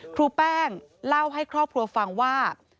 ครูแป้งเล่าให้ครอบครัวฟังว่า